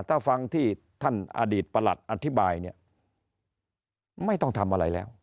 ถ้าฟังที่ท่านอดีตประหลัดอธิบายเนี่ยไม่ต้องทำอะไรแล้ว